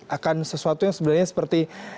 akan sesuatu yang sebenarnya seperti